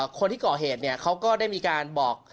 คนที่ก่อเหตุเขาก็ได้มีการบอก